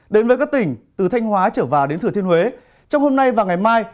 đến với các tỉnh từ thanh hóa trở vào đến thừa thiên huế trong hôm nay và ngày mai